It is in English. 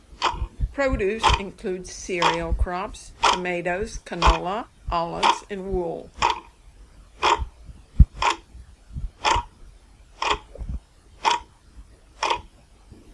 Produce includes cereal crops, tomatoes, canola, olives and wool.